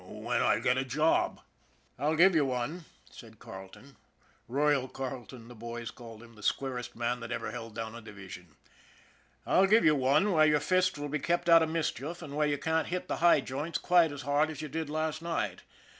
" When I get a job." " I'll give you one," said Carleton" Royal " Carle ton the boys called him, the squarest man that ever held down a division. " I'll give you one where your fists will be kept out of mischief, and where you can't hit the high joints quite as hard as you did last night.